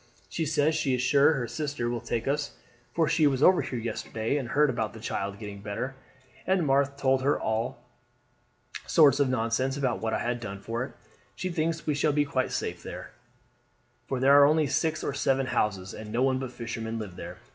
She says she is sure her sister will take us, for she was over here yesterday and heard about the child getting better, and Marthe told her all sorts of nonsense about what I had done for it. She thinks we shall be quite safe there, for there are only six or seven houses, and no one but fishermen live there.